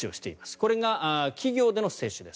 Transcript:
これが企業での接種です。